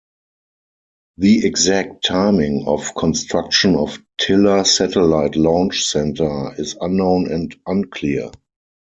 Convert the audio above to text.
The exact timing of construction of Tilla Satellite Launch Centre is unknown and unclear.